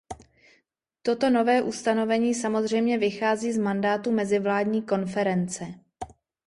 Toto nové ustanovení samozřejmě vychází z mandátu mezivládní konference.